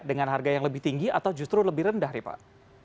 dengan harga yang lebih tinggi atau justru lebih rendah nih pak